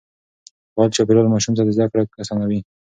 فعال چاپېريال ماشوم ته زده کړه آسانوي.